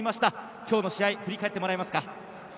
今日の試合、振り返ってもらえますか？